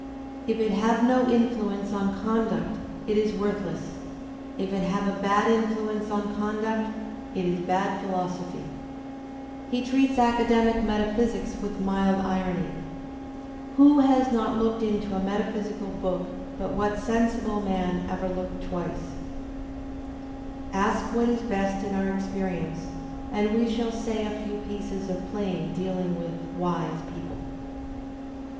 If it have no influence on conduct it is worthless; if it have a bad influence on conduct it is bad philosophy. Digitized by Google 54 THE SPIRIT OF AMERICAN LITERATURE He treats academic metaphysicians with mild irony: "Who has not looked into a metaphysical book, but what sensible man ever looked twice?" "Ask what is best in our experi ence» and we shall say a few pieces of plain dealing with wise people.